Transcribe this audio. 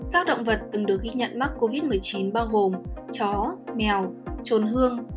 các động vật từng được ghi nhận mắc covid một mươi chín bao gồm chó mèo trốn hương